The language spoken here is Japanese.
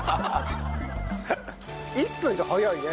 １分って早いね。